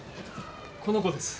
この子です。